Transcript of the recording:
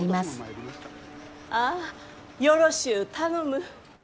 ああよろしゅう頼む。